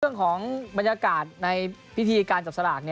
เรื่องของบรรยากาศในพิธีการจับสลาก